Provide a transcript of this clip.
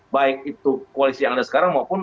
baik itu koalisi yang ada sekarang maupun